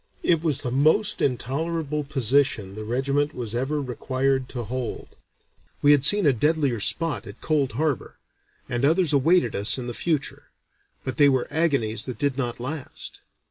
It was "the most intolerable position the regiment was ever required to hold. We had seen a deadlier spot at Cold Harbor, and others awaited us in the future; but they were agonies that did not last.